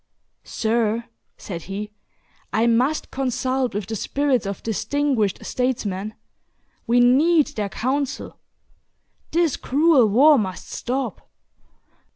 "Sir," said he, "I must consult with the spirits of distinguished statesmen. We need their counsel. This cruel war must stop.